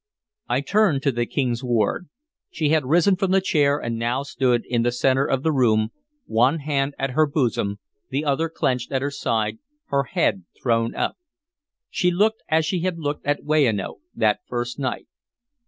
I turned to the King's ward. She had risen from the chair, and now stood in the centre of the room, one hand at her bosom, the other clenched at her side, her head thrown up. She looked as she had looked at Weyanoke, that first night.